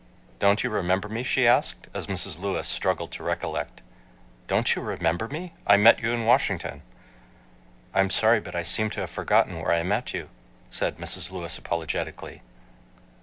"Don't you remember me?" she asked, as Mrs. Lewis struggled to recollect. "Don't you remember me? I met you in Washington." "I'm sorry but I seem to have forgotten where I met you," said Mrs. Lewis apologetically.